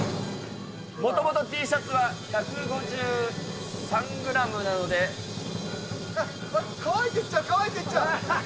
もともとＴシャツは１５３グラムなので、乾いてっちゃう、乾いてっちゃう。